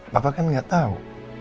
papa kan enggak tahu